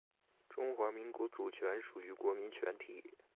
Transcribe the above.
中华民国主权属于国民全体